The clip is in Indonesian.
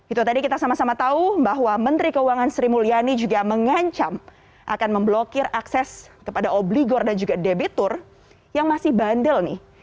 itu tadi kita sama sama tahu bahwa menteri keuangan sri mulyani juga mengancam akan memblokir akses kepada obligor dan juga debitur yang masih bandel nih